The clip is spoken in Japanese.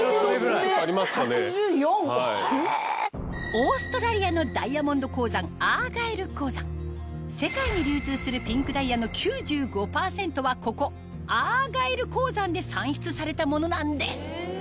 オーストラリアのダイヤモンド鉱山世界に流通するピンクダイヤの９５％はここアーガイル鉱山で産出されたものなんです